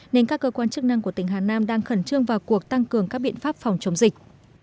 nên các cơ quan chức năng của tỉnh hà nam đang khẩn trương vào cuộc tăng cường các biện pháp phòng chống dịch